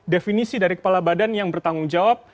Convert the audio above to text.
definisi dari kepala badan yang bertanggung jawab